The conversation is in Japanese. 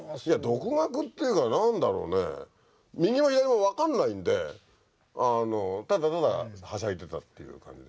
独学っていうか何だろうね右も左も分かんないんでただただはしゃいでたっていう感じですね。